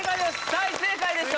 大正解でしょ！